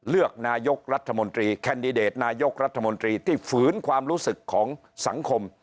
เลือกนายกรัฐมนตรีแคนดิเดตนายกรัฐมนตรีที่ฝืนความรู้สึกของสังคม